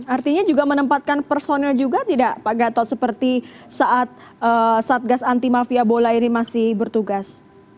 artinya juga menempatkan personil juga tidak pak gatot seperti saat satgas anti mafia bola ini masih bertugas